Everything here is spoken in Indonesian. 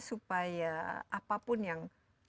supaya apapun yang